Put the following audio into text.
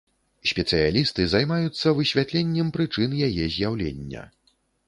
Спецыялісты займаюцца высвятленнем прычын яе з'яўлення.